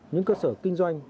những cơ sở kinh doanh